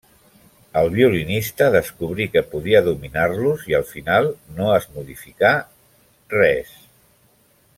El violinista descobrí que podia dominar-los i al final no es modificà res.